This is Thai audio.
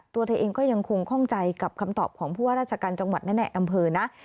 ตัวเธอเองก็ยังคงข้องใจกับคำตอบของผู้ว่าราชการจังหวัดและในอำเภอนะ